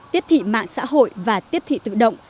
tiếp thị mạng xã hội và tiếp thị tự động